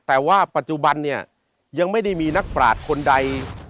แต่ว่าปัจจุบันเนี่ยยังไม่ได้มีนักปราศคนใด